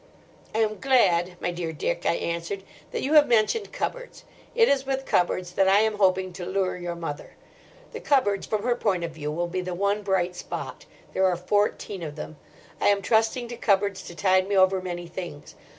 "I am glad, my dear Dick," I answered; "that you have mentioned cupboards. It is with cupboards that I am hoping to lure your mother. The cupboards, from her point of view, will be the one bright spot; there are fourteen of them. I am trusting to cupboards to tide me over many things.